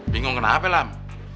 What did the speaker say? bingung kenapa lam